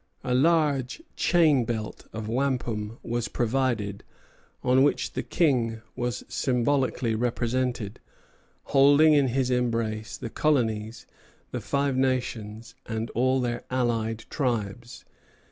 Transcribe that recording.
A large "chain belt" of wampum was provided, on which the King was symbolically represented, holding in his embrace the colonies, the Five Nations, and all their allied tribes.